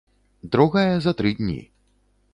Другая за тры дні.